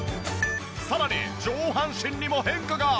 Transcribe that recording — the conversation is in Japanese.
さらに上半身にも変化が！